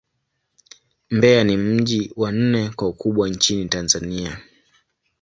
Mbeya ni mji wa nne kwa ukubwa nchini Tanzania.